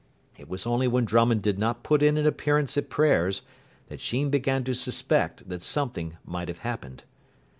It was only when Drummond did not put in an appearance at prayers that Sheen began to suspect that something might have happened.